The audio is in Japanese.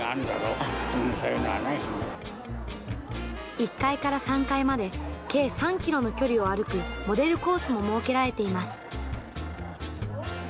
１階から３階まで、計３キロの距離を歩くモデルコースも設けられています。